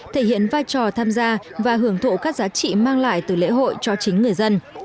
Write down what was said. thể hiện vai trò tham gia và hưởng thụ các giá trị mang lại từ lễ hội cho chính người dân